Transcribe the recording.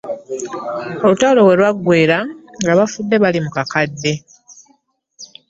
Olutalo we lwaggweera ng'abafudde bali mu kakadde.